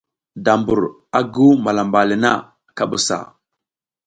Da mbur a guw malamba le na, ka busa.